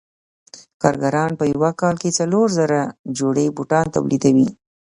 کارګران په یو کال کې څلور زره جوړې بوټان تولیدوي